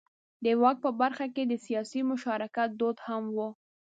د واک په برخه کې د سیاسي مشارکت دود هم و.